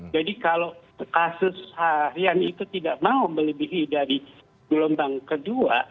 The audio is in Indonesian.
jadi kalau kasus harian itu tidak mau melebihi dari gelombang kedua